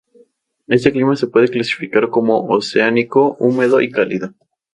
Este clima se puede clasificar como oceánico húmedo y cálido.